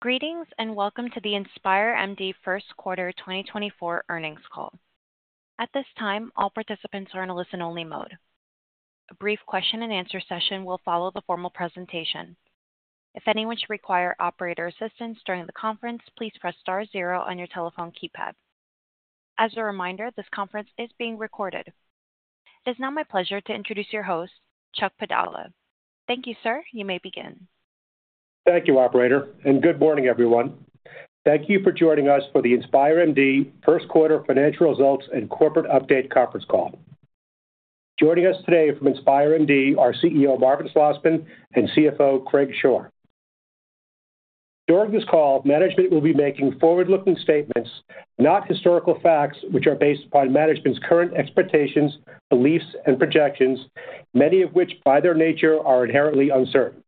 Greetings, and welcome to the InspireMD first quarter 2024 earnings call. At this time, all participants are in a listen-only mode. A brief question and answer session will follow the formal presentation. If anyone should require operator assistance during the conference, please press star zero on your telephone keypad. As a reminder, this conference is being recorded. It's now my pleasure to introduce your host, Chuck Padala. Thank you, sir. You may begin. Thank you, operator, and good morning, everyone. Thank you for joining us for the InspireMD first quarter financial results and corporate update conference call. Joining us today from InspireMD are CEO, Marvin Slosman, and CFO, Craig Shore. During this call, management will be making forward-looking statements, not historical facts, which are based upon management's current expectations, beliefs, and projections, many of which, by their nature, are inherently uncertain.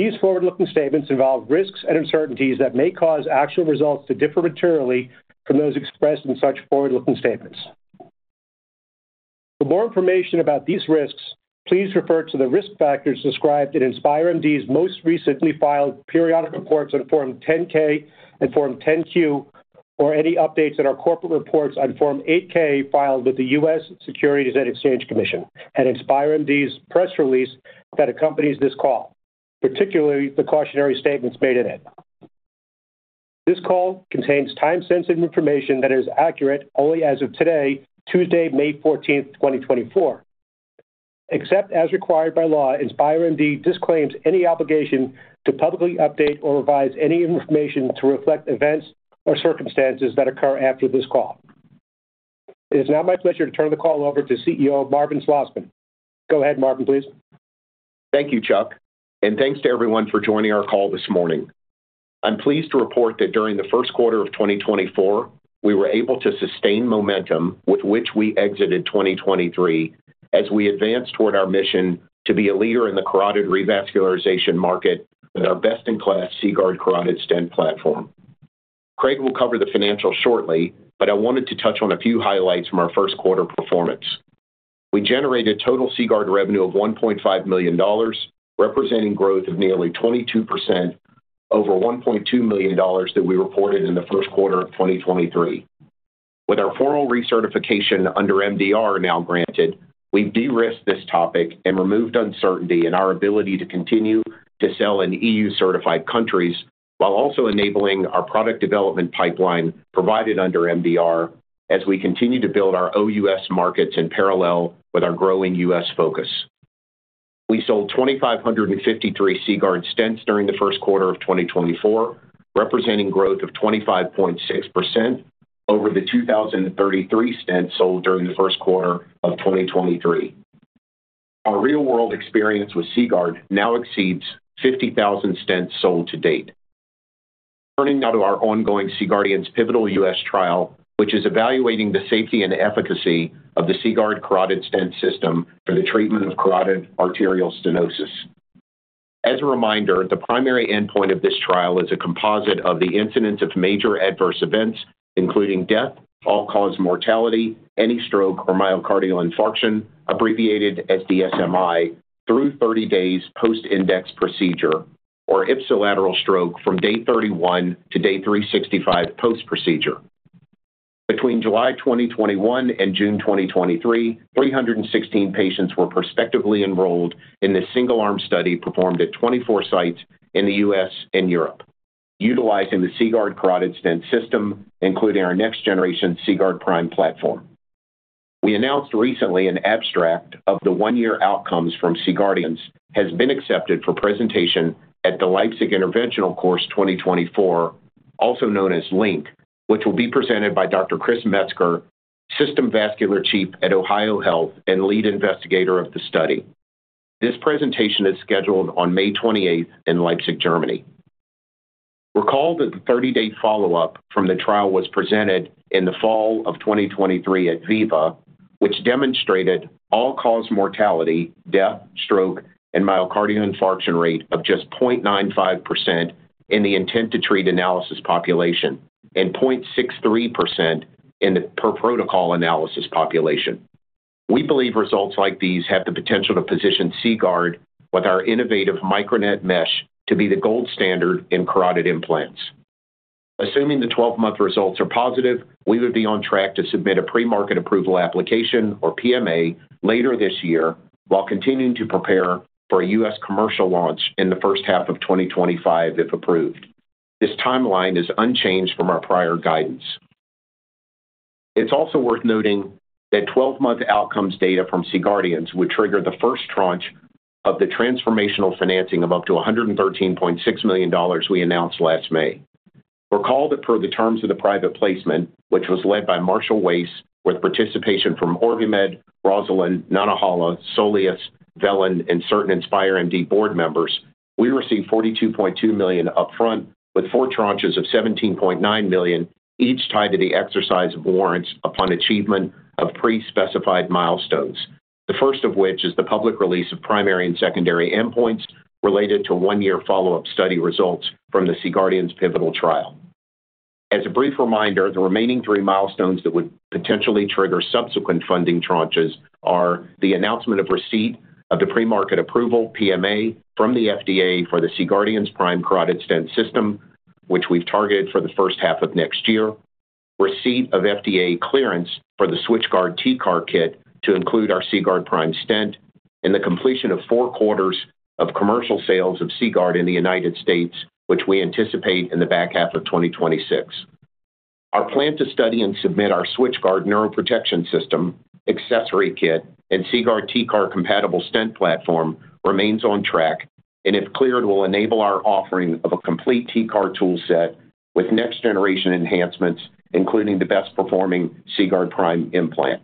These forward-looking statements involve risks and uncertainties that may cause actual results to differ materially from those expressed in such forward-looking statements. For more information about these risks, please refer to the risk factors described in InspireMD's most recently filed periodic reports on Form 10-K and Form 10-Q, or any updates in our corporate reports on Form 8-K filed with the U.S. Securities and Exchange Commission, and InspireMD's press release that accompanies this call, particularly the cautionary statements made in it. This call contains time-sensitive information that is accurate only as of today, Tuesday, May 14th 2024. Except as required by law, InspireMD disclaims any obligation to publicly update or revise any information to reflect events or circumstances that occur after this call. It is now my pleasure to turn the call over to CEO, Marvin Slosman. Go ahead, Marvin, please. Thank you, Chuck, and thanks to everyone for joining our call this morning. I'm pleased to report that during the first quarter of 2024, we were able to sustain momentum with which we exited 2023 as we advance toward our mission to be a leader in the carotid revascularization market with our best-in-class CGuard carotid stent platform. Craig will cover the financials shortly, but I wanted to touch on a few highlights from our first quarter performance. We generated total CGuard revenue of $1.5 million, representing growth of nearly 22% over $1.2 million that we reported in the first quarter of 2023. With our formal recertification under MDR now granted, we've de-risked this topic and removed uncertainty in our ability to continue to sell in EU-certified countries, while also enabling our product development pipeline provided under MDR as we continue to build our OUS markets in parallel with our growing US focus. We sold 2,553 CGuard stents during the first quarter of 2024, representing growth of 25.6% over the 2,033 stents sold during the first quarter of 2023. Our real-world experience with CGuard now exceeds 50,000 stents sold to date. Turning now to our ongoing C-GUARDIANS pivotal U.S. trial, which is evaluating the safety and efficacy of the CGuard carotid stent system for the treatment of carotid arterial stenosis. As a reminder, the primary endpoint of this trial is a composite of the incidence of major adverse events, including death, all-cause mortality, any stroke, or myocardial infarction, abbreviated as DSMI, through 30 days post-index procedure, or ipsilateral stroke from day 31 to day 365 post-procedure. Between July 2021 and June 2023, 316 patients were prospectively enrolled in this single-arm study performed at 24 sites in the U.S. and Europe, utilizing the CGuard carotid stent system, including our next generation CGuard Prime platform. We announced recently an abstract of the one-year outcomes from C-GUARDIANS has been accepted for presentation at the Leipzig Interventional Course 2024, also known as LINC, which will be presented by Dr. Chris Metzger, System Vascular Chief at OhioHealth and lead investigator of the study. This presentation is scheduled on May 28th in Leipzig, Germany. Recall that the 30-day follow-up from the trial was presented in the fall of 2023 at VIVA, which demonstrated all-cause mortality, death, stroke, and myocardial infarction rate of just 0.95% in the intent to treat analysis population and 0.63% in the per protocol analysis population. We believe results like these have the potential to position CGuard with our innovative MicroNet mesh to be the gold standard in carotid implants. Assuming the 12-month results are positive, we would be on track to submit a pre-market approval application or PMA later this year, while continuing to prepare for a U.S. commercial launch in the first half of 2025, if approved. This timeline is unchanged from our prior guidance. It's also worth noting that 12-month outcomes data from C-GUARDIANS would trigger the first tranche of the transformational financing of up to $113.6 million we announced last May. Recall that per the terms of the private placement, which was led by Marshall Wace, with participation from OrbiMed, Rosalind Advisors, Nantahala Capital Management, Soleus Capital, Velan Capital, and certain InspireMD board members, we received $42.2 million upfront, with four tranches of $17.9 million, each tied to the exercise of warrants upon achievement of pre-specified milestones. The first of which is the public release of primary and secondary endpoints related to one-year follow-up study results from the C-GUARDIANS pivotal trial.... As a brief reminder, the remaining three milestones that would potentially trigger subsequent funding tranches are the announcement of receipt of the pre-market approval, PMA, from the FDA for the CGuard Prime Carotid Stent System, which we've targeted for the first half of next year. Receipt of FDA clearance for the SwitchGuard TCAR kit to include our CGuard Prime stent, and the completion of four quarters of commercial sales of CGuard in the United States, which we anticipate in the back half of 2026. Our plan to study and submit our SwitchGuard Neuroprotection System, accessory kit, and CGuard TCAR-compatible stent platform remains on track, and, if cleared, will enable our offering of a complete TCAR tool set with next-generation enhancements, including the best-performing CGuard Prime implant.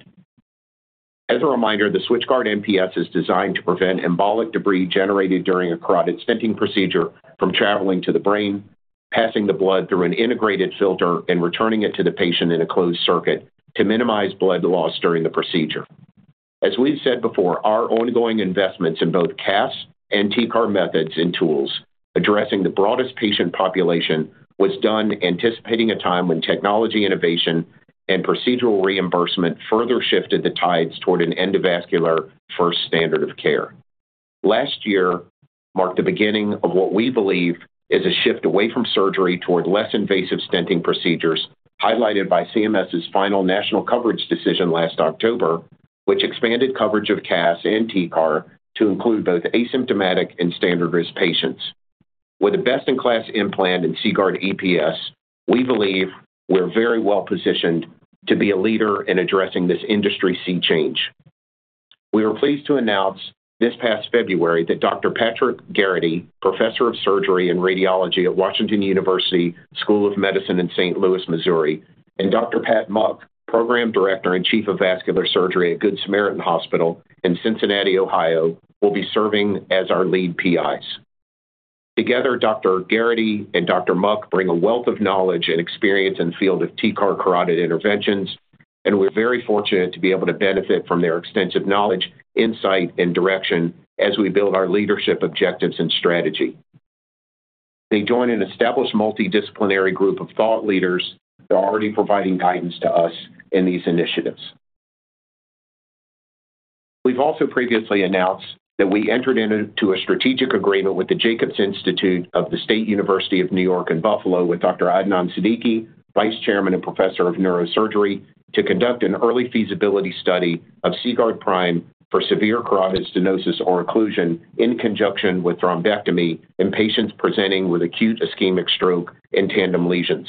As a reminder, the SwitchGuard NPS is designed to prevent embolic debris generated during a carotid stenting procedure from traveling to the brain, passing the blood through an integrated filter, and returning it to the patient in a closed circuit to minimize blood loss during the procedure. As we've said before, our ongoing investments in both CAS and TCAR methods and tools addressing the broadest patient population, was done anticipating a time when technology, innovation, and procedural reimbursement further shifted the tides toward an endovascular first standard of care. Last year marked the beginning of what we believe is a shift away from surgery toward less invasive stenting procedures, highlighted by CMS's final national coverage decision last October, which expanded coverage of CAS and TCAR to include both asymptomatic and standard-risk patients. With a best-in-class implant in CGuard EPS, we believe we're very well positioned to be a leader in addressing this industry scene change. We were pleased to announce this past February that Dr. Patrick Geraghty, professor of surgery and radiology at Washington University School of Medicine in St. Louis, Missouri, and Dr. Pat Muck, program director and chief of vascular surgery at Good Samaritan Hospital in Cincinnati, Ohio, will be serving as our lead PIs. Together, Dr. Geraghty and Dr. Muck bring a wealth of knowledge and experience in the field of TCAR carotid interventions, and we're very fortunate to be able to benefit from their extensive knowledge, insight, and direction as we build our leadership, objectives, and strategy. They join an established multidisciplinary group of thought leaders that are already providing guidance to us in these initiatives. We've also previously announced that we entered into a strategic agreement with the Jacobs Institute of the State University of New York at Buffalo, with Dr. Adnan Siddiqui, Vice Chairman and Professor of Neurosurgery, to conduct an early feasibility study of CGuard Prime for severe carotid stenosis or occlusion in conjunction with thrombectomy in patients presenting with acute ischemic stroke and tandem lesions.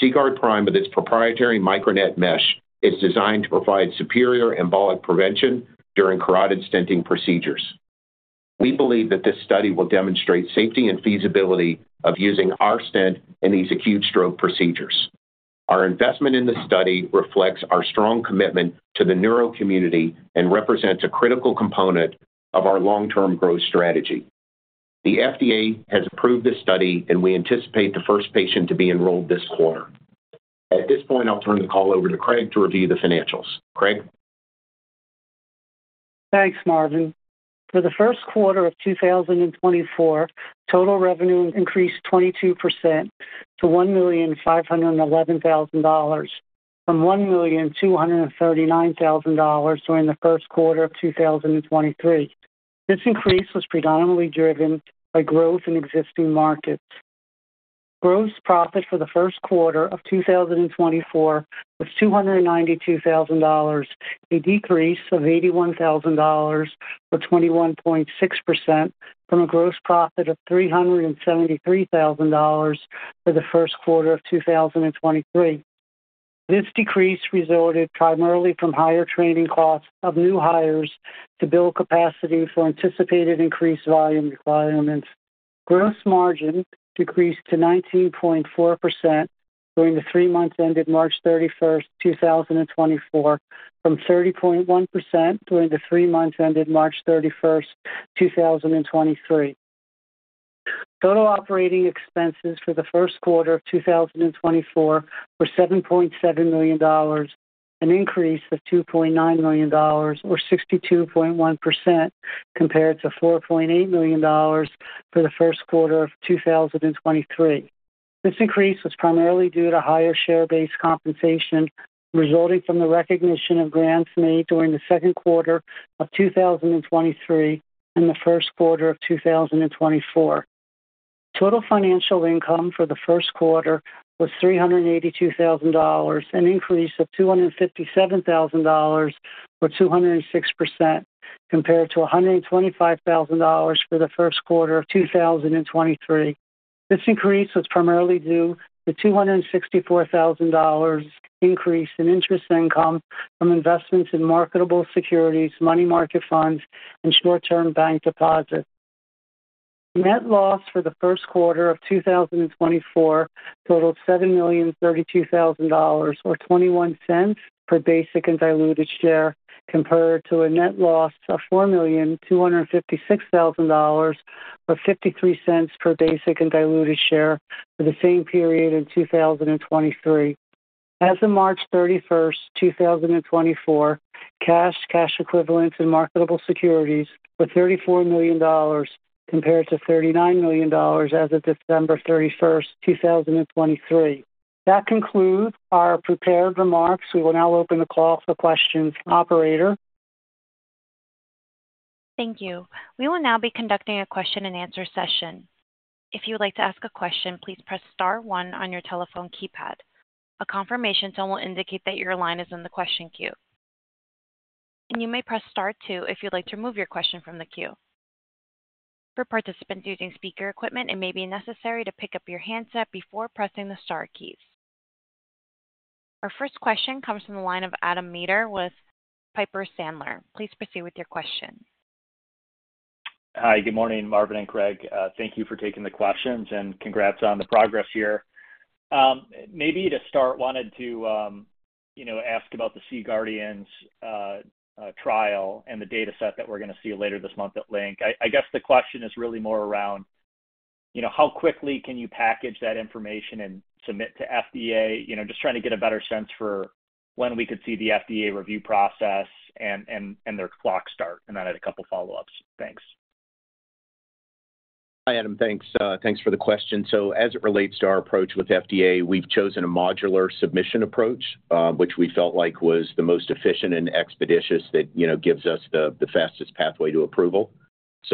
CGuard Prime, with its proprietary MicroNet mesh, is designed to provide superior embolic prevention during carotid stenting procedures. We believe that this study will demonstrate safety and feasibility of using our stent in these acute stroke procedures. Our investment in the study reflects our strong commitment to the neuro community and represents a critical component of our long-term growth strategy. The FDA has approved this study, and we anticipate the first patient to be enrolled this quarter. At this point, I'll turn the call over to Craig to review the financials. Craig? Thanks, Marvin. For the first quarter of 2024, total revenue increased 22% to $1,511,000 from $1,239,000 during the first quarter of 2023. This increase was predominantly driven by growth in existing markets. Gross profit for the first quarter of 2024 was $292,000, a decrease of $81,000, or 21.6%, from a gross profit of $373,000 for the first quarter of 2023. This decrease resulted primarily from higher training costs of new hires to build capacity for anticipated increased volume requirements. Gross margin decreased to 19.4% during the three months ended March 31st 2024, from 30.1% during the three months ended March 31st 2023. Total operating expenses for the first quarter of 2024 were $7.7 million, an increase of $2.9 million, or 62.1%, compared to $4.8 million for the first quarter of 2023. This increase was primarily due to higher share-based compensation, resulting from the recognition of grants made during the second quarter of 2023 and the first quarter of 2024. Total financial income for the first quarter was $382,000, an increase of $257,000, or 206%, compared to $125,000 for the first quarter of 2023. This increase was primarily due to $264,000 increase in interest income from investments in marketable securities, money market funds, and short-term bank deposits. Net loss for the first quarter of 2024 totaled $7,032,000, or $0.21 per basic and diluted share, compared to a net loss of $4,256,000, or $0.53 per basic and diluted share, for the same period in 2023. As of March 31st, 2024, cash, cash equivalents, and marketable securities were $34 million compared to $39 million as of December 31st, 2023. That concludes our prepared remarks. We will now open the call for questions. Operator? Thank you. We will now be conducting a question-and-answer session. If you would like to ask a question, please press star one on your telephone keypad. A confirmation tone will indicate that your line is in the question queue. You may press star two if you'd like to remove your question from the queue. For participants using speaker equipment, it may be necessary to pick up your handset before pressing the star keys. Our first question comes from the line of Adam Maeder with Piper Sandler. Please proceed with your question. Hi, good morning, Marvin and Craig. Thank you for taking the questions, and congrats on the progress here. Maybe to start, wanted to, you know, ask about the C-GUARDIANS trial and the dataset that we're going to see later this month at LINC. I guess the question is really more around, you know, how quickly can you package that information and submit to FDA? You know, just trying to get a better sense for when we could see the FDA review process and their clock start. And then I had a couple follow-ups. Thanks. Hi, Adam. Thanks, thanks for the question. So as it relates to our approach with FDA, we've chosen a modular submission approach, which we felt like was the most efficient and expeditious that, you know, gives us the fastest pathway to approval.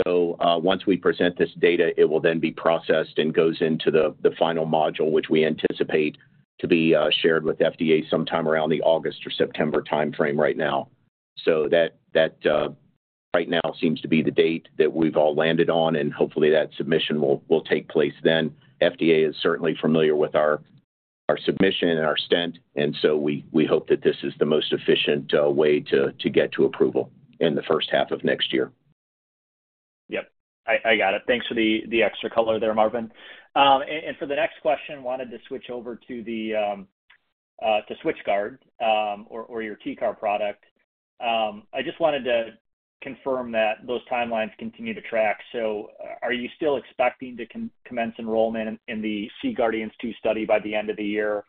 So, once we present this data, it will then be processed and goes into the final module, which we anticipate to be shared with FDA sometime around the August or September timeframe right now. So that right now seems to be the date that we've all landed on, and hopefully that submission will take place then. FDA is certainly familiar with our submission and our stent, and so we hope that this is the most efficient way to get to approval in the first half of next year. Yep. I got it. Thanks for the extra color there, Marvin. And for the next question, wanted to switch over to SwitchGuard, or your TCAR product. I just wanted to confirm that those timelines continue to track. So are you still expecting to commence enrollment in the C-GUARDIANS 2 study by the end of the year?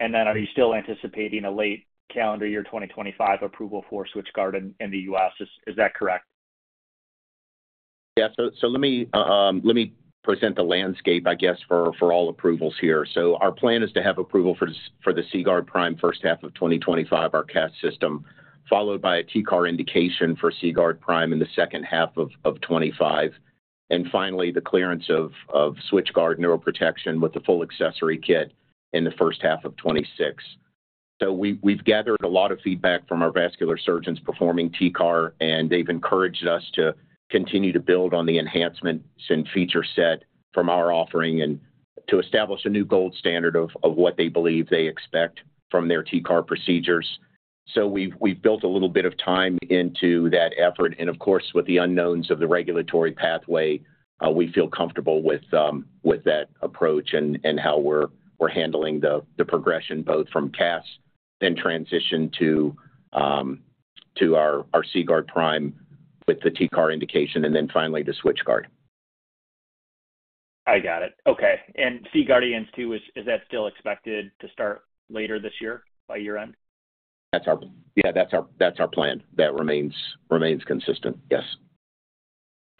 And then are you still anticipating a late calendar year 2025 approval for SwitchGuard in the U.S.? Is that correct? Yeah. So let me present the landscape, I guess, for all approvals here. So our plan is to have approval for the CGuard Prime first half of 2025, our CAS system, followed by a TCAR indication for CGuard Prime in the second half of 2025. And finally, the clearance of SwitchGuard neuroprotection with the full accessory kit in the first half of 2026. So we've gathered a lot of feedback from our vascular surgeons performing TCAR, and they've encouraged us to continue to build on the enhancements and feature set from our offering and to establish a new gold standard of what they believe they expect from their TCAR procedures. So we've built a little bit of time into that effort, and of course, with the unknowns of the regulatory pathway, we feel comfortable with that approach and how we're handling the progression, both from CAS then transition to our CGuard Prime with the TCAR indication, and then finally the SwitchGuard. I got it. Okay. And C-GUARDIANS 2, is that still expected to start later this year, by year-end? That's our. Yeah, that's our plan. That remains consistent. Yes.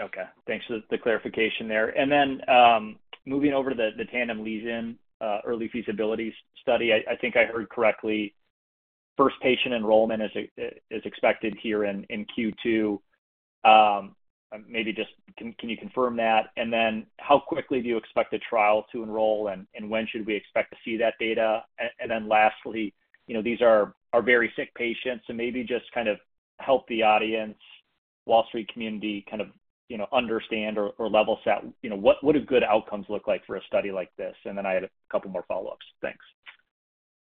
Okay. Thanks for the clarification there. And then, moving over to the Tandem lesions, early feasibility study, I think I heard correctly, first patient enrollment is expected here in Q2. Maybe just can you confirm that? And then how quickly do you expect the trial to enroll, and when should we expect to see that data? And then lastly, you know, these are very sick patients, so maybe just kind of help the audience, Wall Street community, kind of, you know, understand or level set, you know, what do good outcomes look like for a study like this? And then I had a couple more follow-ups. Thanks.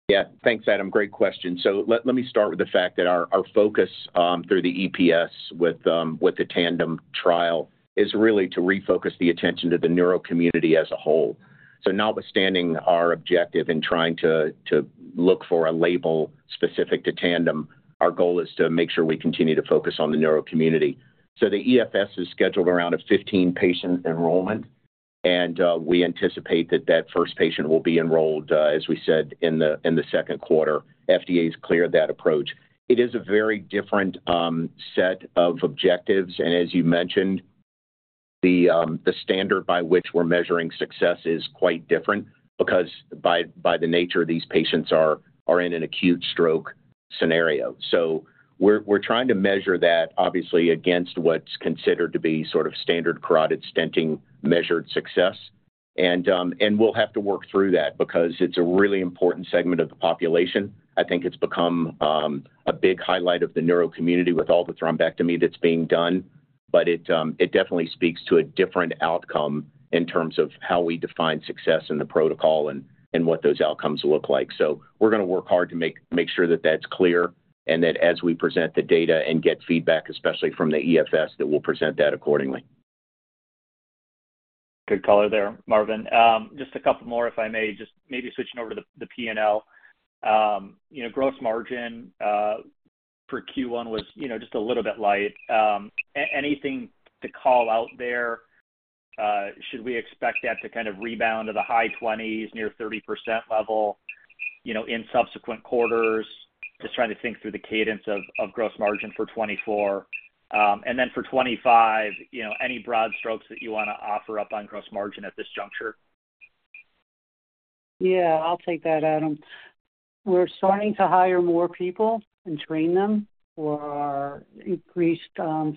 Yeah. Thanks, Adam. Great question. So let me start with the fact that our focus through the EPS with the Tandem trial is really to refocus the attention to the neuro community as a whole. So notwithstanding our objective in trying to look for a label specific to Tandem, our goal is to make sure we continue to focus on the neuro community. So the EFS is scheduled around a 15-patient enrollment, and we anticipate that first patient will be enrolled, as we said, in the second quarter. FDA's cleared that approach. It is a very different set of objectives, and as you mentioned, the standard by which we're measuring success is quite different because by the nature, these patients are in an acute stroke scenario. So we're trying to measure that obviously against what's considered to be sort of standard carotid stenting measured success. And we'll have to work through that because it's a really important segment of the population. I think it's become a big highlight of the neuro community with all the thrombectomy that's being done. But it definitely speaks to a different outcome in terms of how we define success in the protocol and what those outcomes look like. So we're going to work hard to make sure that that's clear, and that as we present the data and get feedback, especially from the EFS, that we'll present that accordingly. Good color there, Marvin. Just a couple more, if I may. Just maybe switching over to the PNL. You know, gross margin for Q1 was, you know, just a little bit light. Anything to call out there? Should we expect that to kind of rebound to the high 20s, near 30% level, you know, in subsequent quarters? Just trying to think through the cadence of gross margin for 2024. And then for 2025, you know, any broad strokes that you want to offer up on gross margin at this juncture? Yeah, I'll take that, Adam. We're starting to hire more people and train them for our increased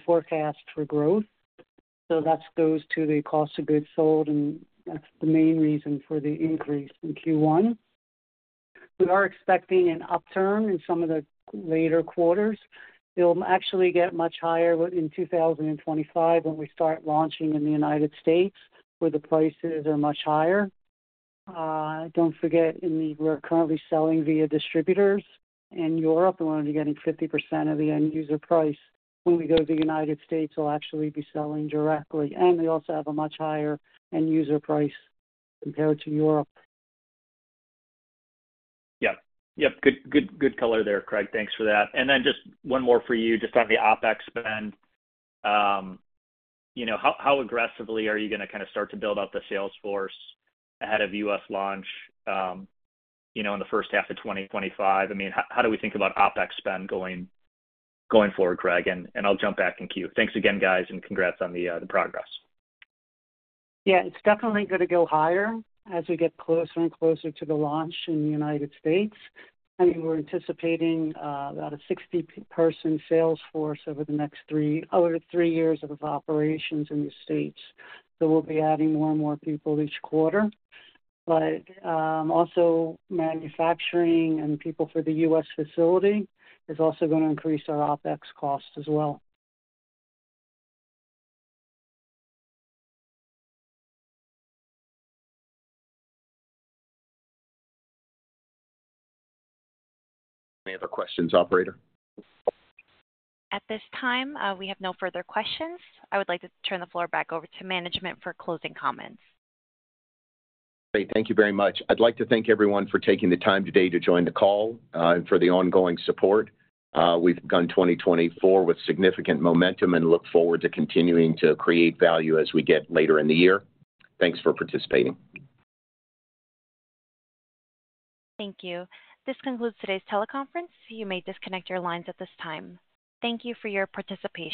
forecast for growth. So that's goes to the cost of goods sold, and that's the main reason for the increase in Q1. We are expecting an upturn in some of the later quarters. It'll actually get much higher in 2025, when we start launching in the United States, where the prices are much higher. Don't forget, we're currently selling via distributors in Europe, and we're only getting 50% of the end user price. When we go to the United States, we'll actually be selling directly, and we also have a much higher end user price compared to Europe. Yep. Yep, good, good, good color there, Craig. Thanks for that. And then just one more for you, just on the OpEx spend. You know, how, how aggressively are you gonna kind of start to build out the sales force ahead of US launch, you know, in the first half of 2025? I mean, how do we think about OpEx spend going forward, Craig? And I'll jump back in queue. Thanks again, guys, and congrats on the progress. Yeah, it's definitely going to go higher as we get closer and closer to the launch in the United States. I mean, we're anticipating about a 60-person sales force over the next 3 years of operations in the States. So we'll be adding more and more people each quarter. But also, manufacturing and people for the U.S. facility is also going to increase our OpEx costs as well. Any other questions, operator? At this time, we have no further questions. I would like to turn the floor back over to management for closing comments. Great. Thank you very much. I'd like to thank everyone for taking the time today to join the call, and for the ongoing support. We've begun 2024 with significant momentum and look forward to continuing to create value as we get later in the year. Thanks for participating. Thank you. This concludes today's teleconference. You may disconnect your lines at this time. Thank you for your participation.